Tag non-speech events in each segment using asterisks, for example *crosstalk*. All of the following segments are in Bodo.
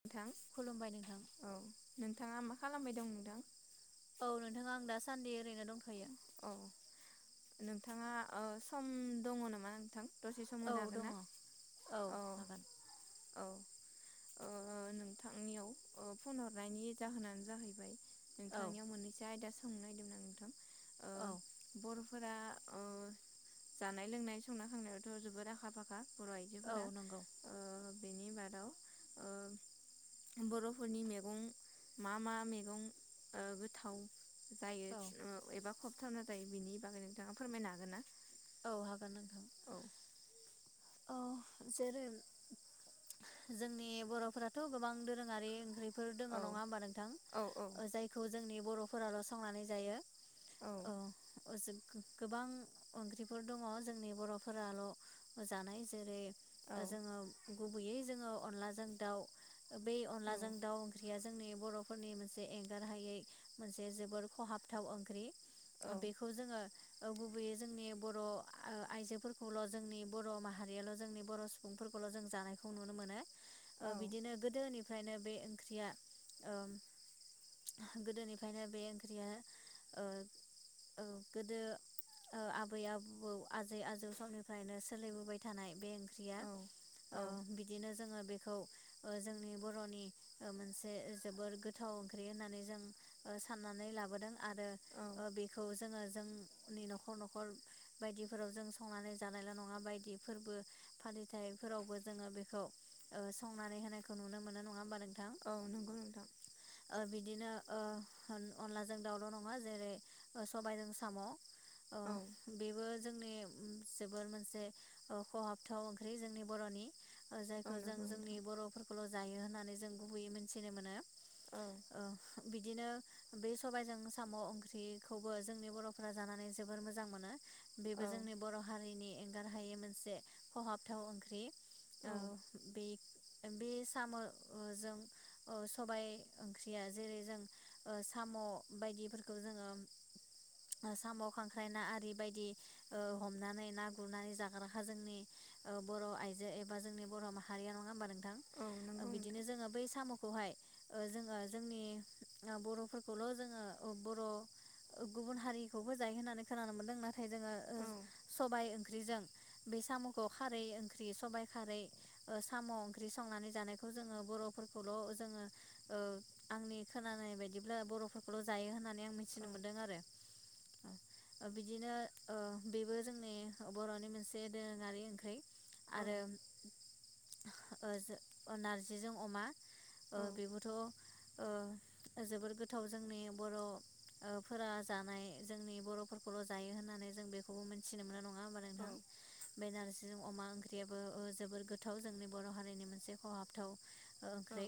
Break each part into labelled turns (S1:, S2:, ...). S1: नोंथां औ
S2: खुलुमबाय नोंथां
S1: नों नोंथाङा मा खालामबाय दं नोंथां
S2: औ नोंथाङा आं दा सान्दि ओरैनो दंथ
S1: औ नोंथाङा ओ सम दङ नामा नोंथां दसे सम
S2: औ
S1: होनो हागोन
S2: दङ
S1: ना
S2: औ हागोन
S1: औ ओ नोंथांनियाव ओ फन हरनायनि जाहोनानो जाहैबाय
S2: औ
S1: नोंथांनियाव मोननैसो आयदा सो थांनो *unintelligible* ना नोंथां ओ
S2: औ
S1: बरफ फोरा ओ जानाय लोंनाय संना खावनायावथ' जोबोद आखा फाखा। बर'
S2: औ
S1: आइजोफोरा
S2: नंगौ
S1: ओ। बेनि बादाव ओ बर'फोरनि मैगं मा-मा मेगं ओ गोथाव। जायो
S2: औ
S1: खिलु। खहाबथावना जायो बेनि बागै नोंथाङा फोरमायनो हागोन ना।
S2: औ हागोन नोंथां।
S1: औ
S2: औ जेरै जोंनि बर'फोराथ' गोबां दोरोङारि ओंख्रि। फोर दङ
S1: औ
S2: नङा हबा नोंथां
S1: औ
S2: जायखौ जोंनि बर'। फोराल' संनानै जायो। औ अजिद। गोबां ओंख्रिफोर दङ जोंनि बर'फोराल' जानाय जेरै-
S1: औ
S2: ओ जोङो। गुबैयै जोङो अनलाजों दाउ बै
S1: औ
S2: अनलाजों दाउ ओंख्रिया जोंनि बर'फोरनि मोनसे एंगारहायै मोनसे जोबोर खहाबथाव ओंख्रि। बेखौ जोङो। औ गुबैयै। जोंनि बर' आ ओ आइजोफोरखौल' जोंनि बर' माहारियाल' जोंनि बर' सुबुंफोरखौल' जों जानायखौ नुनो मोनो। ओ बिदिनो गोदोनि। फ्रायनो बे ओंख्रिया ओ गोदोनिफ्रायनो बे ओंख्रिया ओ-ओ गोदो। ओ आबै-आबौ आजै-आजौ समनिफ्रायनो सोलिबोबाय थानाय बे ओंख्रिया
S1: औ औ
S2: ओ बिदिनो जोङो बेखौ जोंनि बर'नि मोनसे जोबोर गोथाव ओंख्रि होननानै जों साननानै लाबोदों। आरो ओ बेखौ जोङो जोंनि न'ख न'खर-न'खर बायदिफोराव जों संनानै जानायल' नङा बायदि फोरबो फालिथायफोरावबो जोङो बेखौ ओ संनानै होनायखौ नुनो मोनो नङा होमबा नों
S1: औ नंगौ नोंथां।
S2: बिदिनो ओ अनलाजों दाउल' नङा जेरै सबायजों साम'। अ
S1: औ
S2: बेबो जोंनि जोबोर मोनसे ओ खहाबथाव ओंख्रि जोंनि बर'नि। ओ
S1: औ
S2: जायखौ जों
S1: नंगौ
S2: जोंनि
S1: नोंथां
S2: बर'फोरखौल' जायो होननानै जों। गुबैयै मोनथिनो मोनो।
S1: औ
S2: ओ बिद बिदिनो बे सबायजों साम' ओंख्रिखौबो जोंनि बर'फोरा जानानै जोबोर मोजां मोनो।
S1: औ नंगौ नोंथां औ
S2: बेबो जोंनि बर' हारिनि एंगार हायै मोनसे खहाबथाव ओंख्रि
S1: औ
S2: ओ बिग साम ओ जों सबाय ओंख्रिया जेरै- जों ओ साम' बायदिफोरखौ जोङो साम' खांख्राइ ना आरि बायदि ओ हमनानै ना गुरनानै जाग्राखा जोंनि ओ बर'आइजो एबा जोंनि बर' माहारिया नङा होमबा नों
S1: औ
S2: नोंथां
S1: नंगौ
S2: बिदिनो
S1: नोंथां
S2: जोङो बै साम'खौहाय ओ जोङो जोंनि ओ बर'फोरखौल' जोङो बर' गुबुन हारिखौबो जायो होननानै खोनानो मोन्दों नाथाय जोङो
S1: औ
S2: सबाय ओंख्रिजों बे साम'खौ खारै ओंख्रि सबाइ खारै ओ साम' ओंख्रि संनानै जानायखौ जोङो बर'फोरखौल' जोङो ओ आंनि खोनानाय बायदिब्ला बर'फोरखौल' जायो होननानै आं मिथिनो मोन्दों आरो ओं ओ बिदिनो ओ बेबो जोंनि बर'नि मोनसे दोरोङारि ओंख्रै। आरो ओ जो नारजिजों अमा ओ बेबोथ' ओ जोबोर गोथाव जोंनि बर'फोरा ओ जानाय। जोंनि बर'फोरखौल' जायो होननानै जों बेखौबो मोनथिनो मोनो नङा होमबा नोंथां बे नारजिजों अमा ओंख्रियाबो ओ जोबोर गोथाव जोंनि बर' हारिनि मोनसे खहाबथाव। ओंख्रै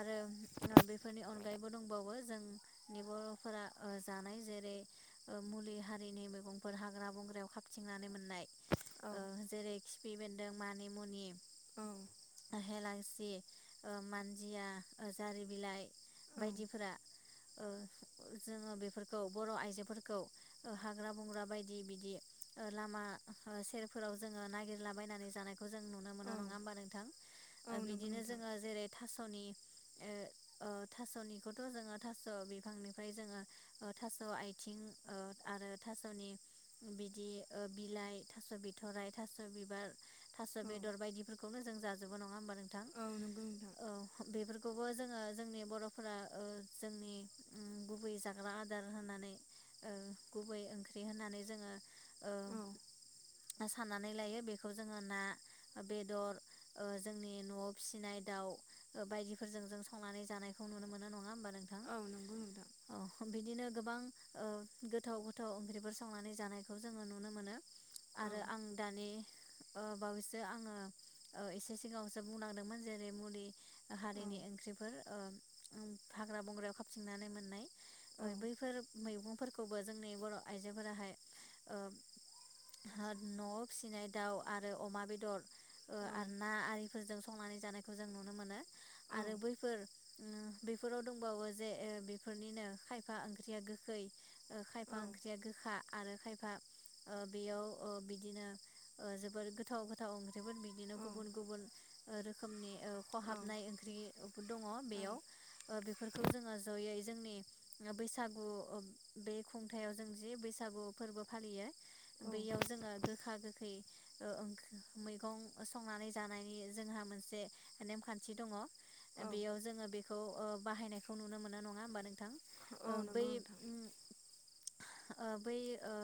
S2: आरो ओ बेफोरनि अनगायैबो दंबावो जोंनि बर'फोरा ओ जानाय जेरै- ओ मुलि हारिनि मैगंफोर हाग्रा बंग्रायाव खाबथिंनानै मोननाय। ओ जेरै- खि फि बेन्दों मानि मुनि ओहेलायस सि ओ मानजिया ओ जारि बिलाइ बायदिफोरा ओ जोङो बेफोरखौ बर' आइजो फोरखौ ओ हाग्रा बंग्रा बायदि बिदि ओ लामा सेरफोराव जोङो नागिरलाबायनानै जानाय खौ जों नुनो मोनो नङा होमबा नोंथां ओ बिदिनो जोङो जेरै थास'नि ए ओ थास'निखौथ' जोङो थास' बिफांनिफ्राय जोङो थास' आइ थिं ओ आरो थास'नि बिदि ओ बिलाइ थास' बिथ'राय थास' बिबार थास' बेदर बायदिफोरखौनो जों जाजोबो नङा होमबा नों थां।
S1: औ नंगौ नोंथां
S2: औ बेफोर खौबो जोङो जोंनि बर'फोरा ओ जोंनि उम गुबै जाग्रा आदार होननानै ओ गुबै ओंख्रि होनानै जोङो ओ
S1: औ औ
S2: साननानै लायो बेखौ जोङो ना बेदर ओ जोंनि न'आव फिसिनाय दाउ बायदिफोरजों जों संनानै जानायखौ नुनो मोनो नङा होमबा। नोंथां
S1: औ नंगौ नोंथां।
S2: औ बिदिनो गोबां ओ गोथाव गोथाव ओंख्रिफोर संनानै जानायखौ जोङो नुनो मोनो।
S1: औ
S2: आरो आं दानि ओ बावैसो आङो ओ एसे सिगाङावसो बुंना होदोंमोन जेरै- मुलि हारिनि ओंख्रिफोर ओ हाग्रा बंग्रायाव खाबथिंनानै मोननाय। ओ बैफोर मैगंफोरखौबो जोंनि बर' आइजोफोराहाय ओ न'आव फिसिनाय दाउ आरो अमा बेदर ओ आरो ना आरिफोरजों संनानै जानायखौ जों नुनो मोनो। आरो बैफोर ओम बेफोराव दंबावो जे ओ बेफोरनिनो खायफा ओंख्रिया गो खै ओ खायफा ओंख्रिया गोखा आरो खायफा ओ बेयाव ओ बिदिनो ओ जोबोर गोथाव गोथाव ओ जोबोर बिदिनो गुबुन गुबुन ओ रोखोमनि ओ खहाबनाय ओंख्रि दङ बेयाव ओ बे बेफोरखौ जोङो जयै जोंनि बैसागु बे खुंथायाव जों जि बैसागु फोरबो फालियो। बैयाव जोङो गोखा गोखै गोखै मैगं संनानै जानायनि जोंहा मोनसे नेमखान्थि दङ। बेयाव जोङो बे खौ बाहायनायखौ नुनो मोनो नङा होमबा नोंथां। नोंथां ओ
S1: नंगौ नोंथां
S2: बै ओ बै ओ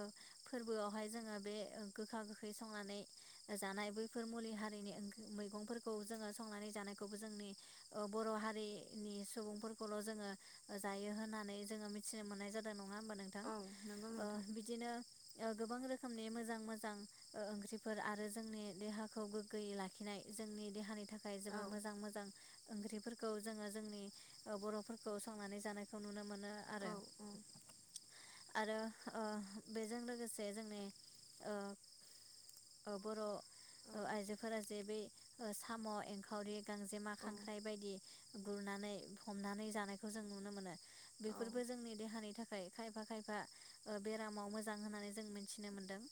S2: फोरबोआवहाय जोङो बे गोखा गोखै संनानै जानाय बैफोर मुलि हारिनि मैगंफोरखौ जोङो संनानै जानायखौबो जोंनि बर' हारिनि सुबुंफोरखौल' जोङो जायो होननानै जोङो मिथि सिनाय मोननाय जादों नङा होमबा नोंथां
S1: औ नंगौ
S2: ओ
S1: नोंथां
S2: बिदिनो ओ गोबां रोखोमनि मोजां-मोजां ओ ओंख्रिफोर आरो जोंनि देहाखौ गोग्गोयै लाखिनाय जोंनि देहानि थाखाय थाखाय
S1: औ
S2: जोबोर मोजां-मोजां ओंख्रिफोरखौ जोङो जोंनि ओ बर'फोरखौ संनानै जानायखौ नुनो मोनो आरो।
S1: औ
S2: आरो ओ बेजों लोगोसे जोंनि ओ ओ बर' ओ
S1: औ
S2: आइजोफोरा जे ब साम' एंखावरि गांजेमा
S1: औ
S2: खांख्राइ बायदि गुरनानै हमनानै जानायखौ जों नुनो मोनो।
S1: औ
S2: बेफोरबो जोंनि देहानि थाखाय खायफा-खायफा ओ बेरामाव मोजां होननानै जों मिथिनो मोन्दों।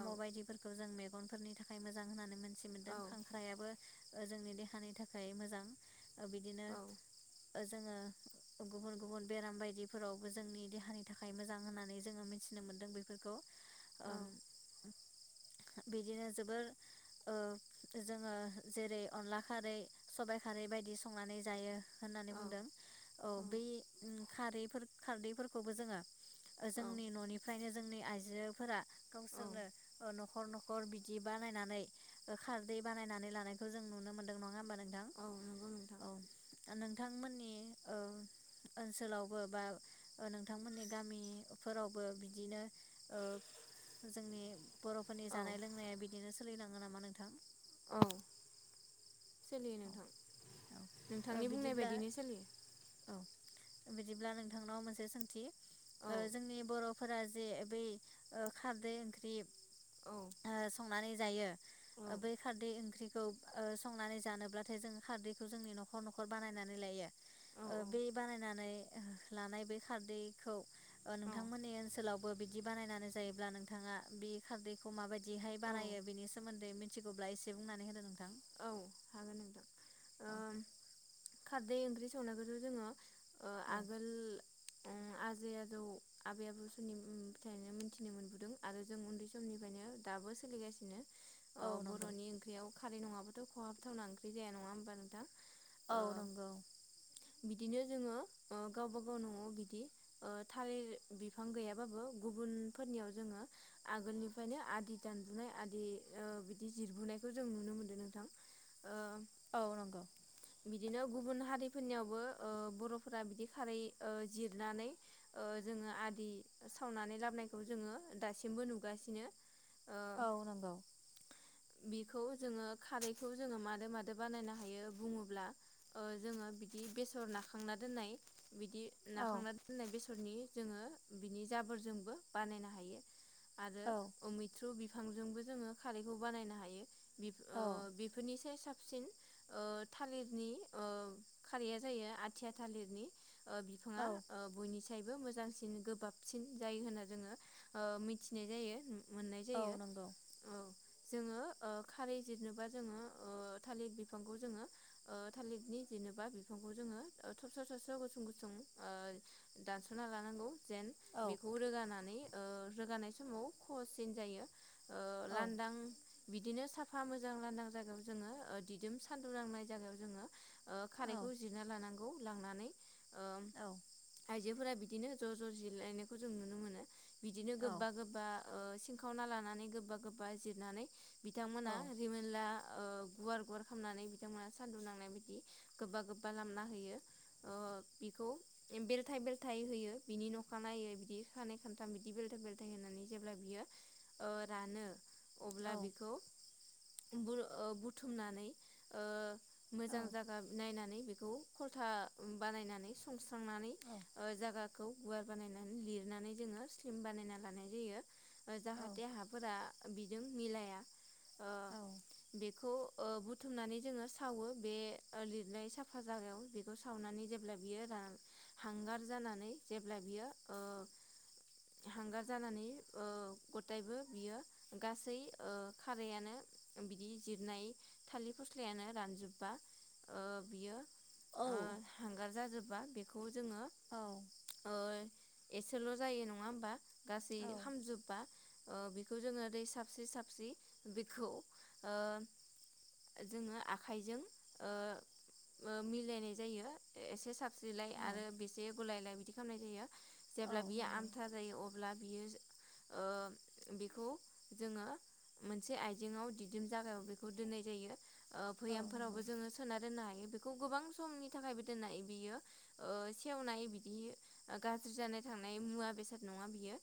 S1: औ औ
S2: बायदिफोरखौ जों मे गुबगनफोरनि थाखाय मोजां होननानै मोनथिदों। माखासे मोनदों
S1: औ
S2: खांख्रायाबो ओ जोंनि देहानि थाखाय मोजां बिदिनो
S1: औ
S2: ओ जोङो गुबुन गुबुन बेराम बायदि फोरावबो जोंनि देहानि थाखाय मोजां होननानै जोङो फोरावबो जोंनि देहानि थाखाय मोजां होनना मिथि मोनदों बेफोरखौ बिदिनो जोबोर ओ जोङो जेरै अनला खारै सबायाइ खारै बायदि संनानै जायो होननानै बुंदों। औ बै खारै खारदैफोरखौबो जोङो जोंनि न'निफ्रायनो जोंनि आइजोफोरा गावसोरनो ओ न'खर न'खर बिदि बानायनानै खारदै बानायनानै लानायखौ जों नुनो मोन्दों नङा होन होनबा नोंथां
S1: औ नंगौ नोंथां
S2: औ नोंथांमोननि ओ ओनसोलावबो बा नोंथांमोननि गामिफोरावबो बिदिनो जोंनि ओ जोंनि बर'फोरनि
S1: औ
S2: जानाय लोंनाया बिदिनो सै सोलिलाङो नामा नोंथां?
S1: औ। सोलियो
S2: औ
S1: नोंथां
S2: औ ओ
S1: नोंथांनि बुंनाय
S2: बिदिब्ला
S1: बायदिनो सोलियो।
S2: औ बिदिब्ला नोंथांनाव मोनसे सोंथि
S1: औ
S2: जोंनि बर' फोरा जे बै ओ खारदै ओख्रि
S1: औ
S2: ओ संनानै जायो
S1: औ
S2: बै खारदै ओंख्रिखौ ओ संनानै जानो अब्लाथाय जों खारदैखौ जोंनि न'खर न'खर बानायनानै लायो ओ
S1: औ
S2: बै बानायनानै लानाय बे खारदैखौ ओ नोंथांमोननि ओनसोलावबो बिदि बानायनानै जायोब्ला नोंथाङा बे खारदैखौ माबायदिहाय
S1: औ
S2: बानायो बिनि सोमोन्दै मिथिगौब्ला एसे बुंनानै होदो नोंथां
S1: औ हागोन नोंथां ओ
S2: औ
S1: खारदै ओंख्रि संनायखौथ' जोङो ओ
S2: औ
S1: आगोल आजै आजौ आबै आबौ समनि फिथाइनो मोनथिनो मोनबोदों आरो जों उन्दै समनिफ्रायनो दाबो सोलिगासिनो। ओ
S2: औ नंगौ
S1: बर'नि ओंख्रियाव खारै नङाबो थ' खहाबथावना ओख्रि जाया नङाहोमबा नोंथां? ओ
S2: औ नंगौ औ।
S1: बिदिनो जोङो ओ गावबा गाव न'आव बिदि ओ थालिर बिफां गैयाबाबो गुबुनफोरनियाव जोङो आगोलनिफ्रायनो आदि दानबोननाय आदि ओ बिदि जिरबोननायखौ जों नुनो मोनदों नोंथां। ओ
S2: औ नंगौ।
S1: बिदिनो गुबुन हारिफोरनियावबो ओ बर'फोरा बिदि खारै ओ जिरनानै ओ जोङो आदि सावनानै लाबोनखौ जोङो दासिमबो नुगासिनो।
S2: औ नंगौ
S1: बिखौ जोङो खारै खौ जोङो मादो मादो बानायनो हायो बुङोब्ला जोङो ओ बिदि बेसर नाखांना दोननाय बिदि
S2: औ
S1: नाखांना दोननाय बेसरनि जोङो बिनि जाबोरजोंबो बानायनो हायो। आरो
S2: औ
S1: अमित्रु बि बिफांजोंबो जोङो खारैखौ बानायनो हायो बि
S2: औ
S1: बि से साबसिन थालिरनि खारिया जायो आथिया थालिरनि
S2: औ
S1: बिफाङा बयनि फिथाइबो मोजांसिन गोबाबसिन जायो होन्ना जोङो मिथिनाय जायो मोननाय
S2: औ
S1: जायो
S2: नंगौ
S1: औ जोङो खारै जिरनोबा जोङो थालिरिर बिफांखौ जोङो थालिरिरनि जेनेबा बिफांखौ जोङो थबस्र थबस्र' गुसुं गुसुं दानस'ना लानांगौ जेन
S2: औ
S1: बेखौ रोगानानै रोगानाय समाव खहसिन जायो
S2: औ
S1: लान्दां बिदिनो साफा मोजां लानदां जागोन। जोङो दिदोम सान्दुं नांनाय जायगायाव जोङो
S2: औ
S1: खारैखौ जिरना लानांगौ। लांनानै
S2: औ
S1: बिायदिफोरा बिदिनो ज' ज' जिरायनायखौ जों नुनो मोनो बिदिनो
S2: औ
S1: गोबा गोबा ओ सिंखावना लानानै गोबा गोबा जिरनानै बिथांमोना
S2: औ
S1: रिमनला गुवार गुवार खालामनानै बिथांमोनहा सान्दुं नांनाय बायदि गोबा गोबा लामा होयो बिखौ बेलथाय बेलथाय होयो बिनि न'ख नायै बिदि सानै खानथाम बिदि बेलथा बेलथाय होनानै जेब्ला बियो रानो अब्ला
S2: औ
S1: बेखौ बर' बुथुमनानै
S2: औ
S1: मोजां जागा नायनानै बेखौ खलथा बानायनानै संस थांनानै जागा खौ गुवार बानायनानै लिरनानै जोङो स्लिम बानायना लानाय जायो। जाहाथे हाफोरा बिजों मिलाया ओ
S2: औ
S1: बेखौ बुथुमनानै जोङो सावो बे लिरनाय साफा जागायाव बेखौ सावनानै जेब्ला बियो हांगार जानानै जेब्ला बियो हांगार जानानै गथायबो बियो गासै खारायानो बिदि जिरनाय थालिर फस्लायानो रानजोबबा बियो हांगार जाजोब बा बेखौ जोङो ओ एसेल' जायो नङा होमबा गासै खामजोबबा ओ बेखौ जोङो दै साबस्रि साबस्रि बेखौ ओ जोङो आखाइजों ओ मिलायनाय जायो एसे साबस्रिलाय आरो बेसे गुलायलाय बिदि खालामनाय जायो।
S2: औ
S1: जेब्ला बियो
S2: नंगौ
S1: आमथा जायो अ ल्बा बियो ओ बेखौ मोनसे आइजेंआव दिहुन बिदिम जागायाव बेखौ दोननाय जायो। ओ
S2: औ नंगौ औ
S1: भैयामफोरावबो जोङो सोना दोननो हायो बेखौ गोबां समनि थाखायबो दोननाय बियो ओ सेवनाय बिदि गाज्रि जानाय थांनाय मुवा बेसाद नङा बियो।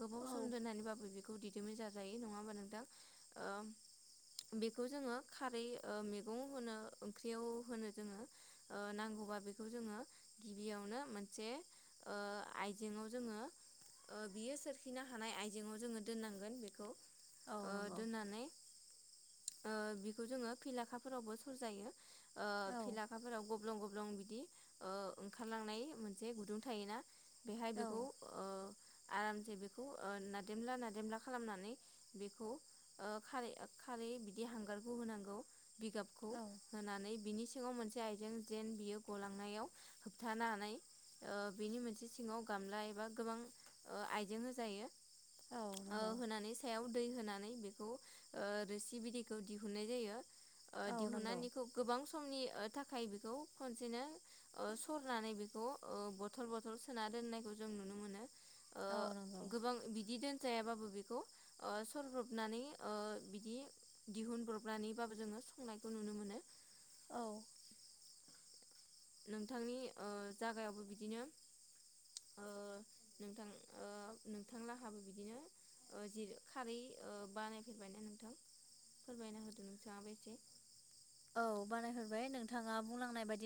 S1: गोबाव सम दोननानैबाबो बि खौ दिदोमै जाजायो नङा होमबा नोंथां बेखौ जोङो खारै ओ मैगं होनो ओंख्रियाव होनो जोङो ओ नांगौबा बेखौ जोङो गिबियावनो मोनसे ओ आइजेेंआव जोङो बियो सोरखिनो हानाय आइजेंआव जोङो दोननांगोन बेखौ ओ
S2: नंगौ
S1: दोननानै बिखौ जोङो फिलाखाफोरावबो सरजायो। ओ फिलाखाफोराव गब्लं गब्लं बिदि बिदि ओंखारलांनाय मोनसे गुदुं थायोना बेहाय बेखौ आरामसे बेखौ नादेमला नादेमला खालामनानै बेखौ खारै खारै बिदि हांगारखौ होनांगौ बिगाबखौ
S2: औ
S1: होनानै बिनि सिङाव मोनसे आइजें जेन बियो गलांनायाव होबथानानै बिनि मोनसे सिङाव गामला एबा गोबां आइजें होजायो
S2: औ नंगौ
S1: होनानै सायाव दै होनानै बेखौ रोसि बिदैखौ दिहुननाय जायो
S2: औ नंगौ
S1: दिहुननानैखौ गोबां समनि थाखाय बेखौ खनसेनो सरनानै बेखौ बथल बथल सोना दोननायखौ जों नुनो मोनो
S2: औ नंगौ
S1: गोबां बिदिदों जायाबाबो बेखौ सरब्रबनानै बिदि दिहुनब्रबनानैबाबो जोङो संनायखौ नुनो मोनो
S2: औ
S1: नोंथांनि जागायावबो बिदिनो नोंथां नोंथां लाहाबो बिदिनो जि खारै बानायफेरबायना नोंथां फोरमायना होदो नोंथाङा बे एसे
S2: औ बानायहरबाय नोंथाङा बुंलांनाय बायदि